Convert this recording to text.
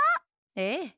ええ。